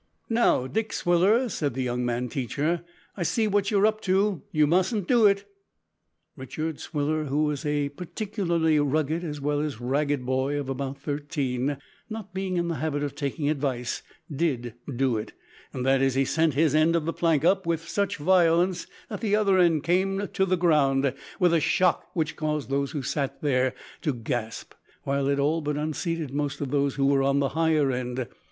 "Now, Dick Swiller," said the young man teacher, "I see what you're up to. You mustn't do it!" Richard Swiller, who was a particularly rugged as well as ragged boy of about thirteen, not being in the habit of taking advice, did do it. That is, he sent his end of the plank up with such violence that the other end came to the ground with a shock which caused those who sat there to gasp, while it all but unseated most of those who were on the higher end.